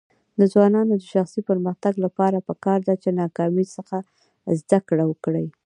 د ځوانانو د شخصي پرمختګ لپاره پکار ده چې ناکامۍ څخه زده کړه وکړي.